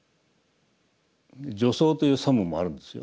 除草という作務もあるんですよ。